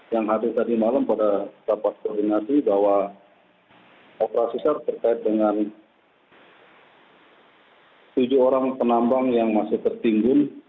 yang hadir tadi malam pada rapat koordinasi bahwa operasi sar terkait dengan tujuh orang penambang yang masih tertimbun